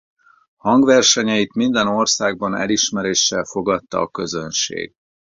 Hangversenyeit minden országban elismeréssel fogadta a közönség.